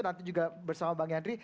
nanti juga bersama bang yandri